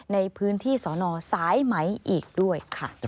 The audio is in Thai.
ในพื้นที่สอนอสายไหมอีกด้วยค่ะ